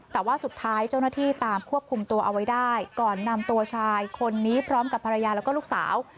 แต่ว่าสุดท้ายเจ้าหน้าที่ตามควบคุมตัวเอาไว้ได้ก่อนนำตัวชายคนนี้พร้อมกับภรรยาแล้วก็ลูกสาว